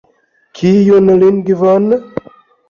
Kiun lingvon?